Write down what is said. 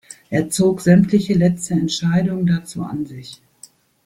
Er zog sämtliche letzte Entscheidungen dazu an sich.